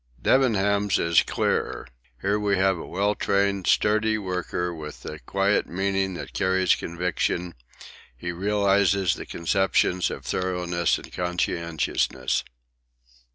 Debenham's is clearer. Here we have a well trained, sturdy worker, with a quiet meaning that carries conviction; he realises the conceptions of thoroughness and conscientiousness.